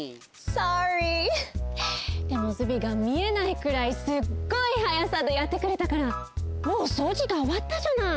Ｓｏｒｒｙ．でもズビーが見えないくらいすっごいはやさでやってくれたからもうそうじがおわったじゃない。